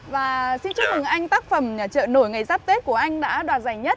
và xin chúc mừng anh tác phẩm nhà chợ nổi ngày sắp tết của anh đã đoạt giải nhất